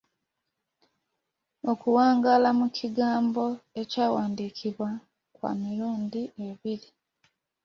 Okuwangaala mu kigambo ekyawandiikibwa kwa mirundi ebiri.